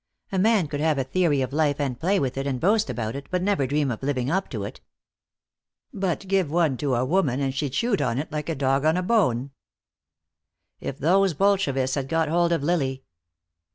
A man could have a theory of life and play with it and boast about it, but never dream of living up to it. But give one to a woman, and she chewed on it like a dog on a bone. If those Bolshevists had got hold of Lily